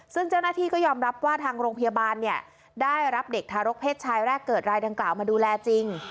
ซึ่งเจ้าหน้าที่ก็ยอมรับว่าทางโรงพยาบาลเนี่ยได้รับเด็กทารกเพศชายแรกเกิดรายดังกล่าวมาดูแลจริง